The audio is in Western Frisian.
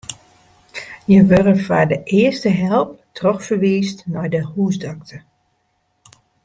Hja wurde foar de earste help trochferwiisd nei de húsdokter.